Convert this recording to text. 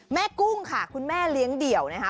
กุ้งค่ะคุณแม่เลี้ยงเดี่ยวนะคะ